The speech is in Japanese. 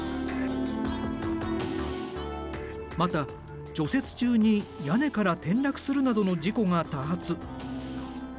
また除雪中に屋根から転落するなどの事故が多発。